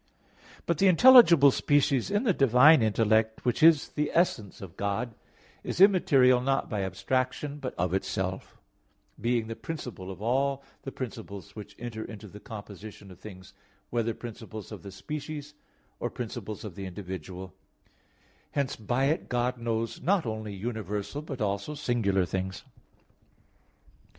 But the intelligible species in the divine intellect, which is the essence of God, is immaterial not by abstraction, but of itself, being the principle of all the principles which enter into the composition of things, whether principles of the species or principles of the individual; hence by it God knows not only universal, but also singular things.